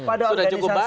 itu sudah cukup banyak